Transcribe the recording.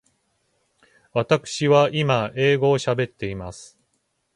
わたくしは今英語を喋っています。